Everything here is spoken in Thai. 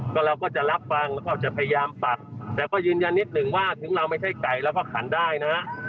ก็เราก็จะรับฟังแล้วก็จะพยายามปักแต่ก็ยืนยันนิดหนึ่งว่าถึงเราไม่ใช่ไก่เราก็ขันได้นะ